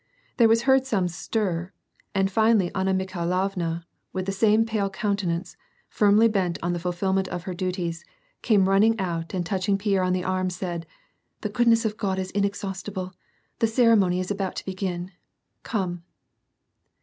There was heard some stir, and finally Anna Mikhailovna, with the same pale countenance, firmly bent on the fulfilment of her duties came running out and touching Pierre on the arm said :" The goodness of God is inexhaust ible ; the ceremony is about to begin. Come